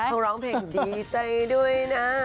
เขาร้องเพลงอยู่ดีใจด้วยนะ